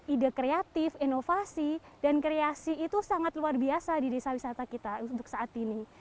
ide kreatif inovasi dan kreasi itu sangat luar biasa di desa wisata kita untuk saat ini